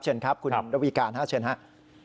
เชิญครับคุณระวีการฮะเชิญครับ